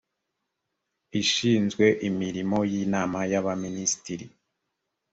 ishinzwe imirimo y’inama y’abaminisitiri